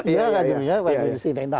ya radu ini